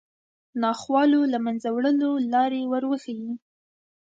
ناخوالو له منځه وړلو لارې وروښيي